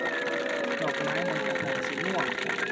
ดอกไม้ในกระถางสีม่วง